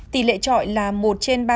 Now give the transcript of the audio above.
tỷ lệ trọi là một trên ba hai